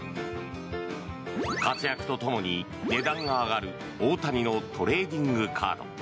活躍とともに値段が上がる大谷のトレーディングカード。